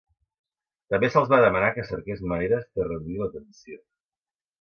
També se'ls va demanar que cerqués maneres de reduir la tensió.